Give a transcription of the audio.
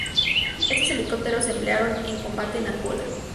Estos helicópteros se emplearon en combate en Angola.